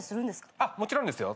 もちろんですよ。